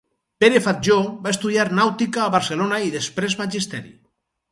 Pere Fatjó va estudiar nàutica a Barcelona i després Magisteri.